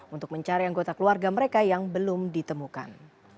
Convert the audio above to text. untuk mencari anggota keluarga mereka yang belum ditemukan